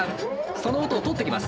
その音を取ってきます。